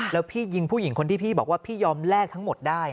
แล้วพี่ยิงผู้หญิงคนที่พี่บอกว่าพี่ยอมแลกทั้งหมดได้